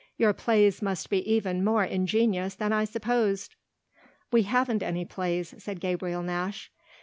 Your plays must be even more ingenious than I supposed!" "We haven't any plays," said Gabriel Nash.